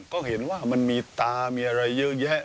ก็เห็นว่ามันมีตามีอะไรเยอะแยะ